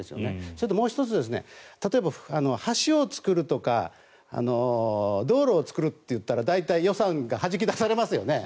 それともう１つ例えば、橋を作るとか道路を作るといったら大体、予算がはじき出されますよね。